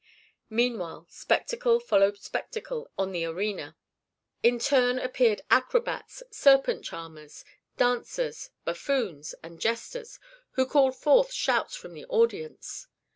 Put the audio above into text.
Meanwhile spectacle followed spectacle on the arena. In turn appeared acrobats, serpent charmers, dancers, buffoons, and jesters, who called forth shouts from the audience.